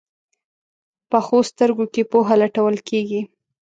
پخو سترګو کې پوهه لټول کېږي